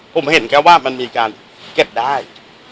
ผมเห็นแค่ว่ามันมีการเก็บได้